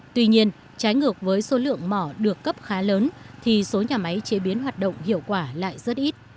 tuy nhiên trái ngược với số lượng mỏ được cấp khá lớn thì số nhà máy chế biến hoạt động hiệu quả lại rất ít